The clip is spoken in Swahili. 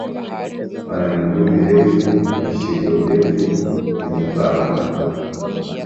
Wana miguu mirefu na shingo ndefu na nyembamba.